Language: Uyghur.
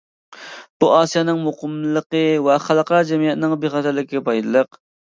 بۇ ئاسىيانىڭ مۇقىملىقى ۋە خەلقئارا جەمئىيەتنىڭ بىخەتەرلىكىگە پايدىلىق.